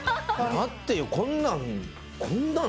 待ってよこんなん。